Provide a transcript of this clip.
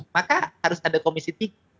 maka harus ada komisi tiga